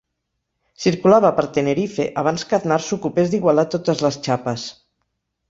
Circulava per Tenerife abans que Aznar s'ocupés d'igualar totes les “xapes”.